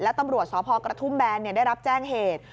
แล้วตำรวจสพกระทุ่มแบนได้รับแจ้งเหตุ